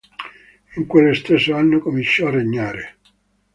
In quello stesso anno cominciò a regnare.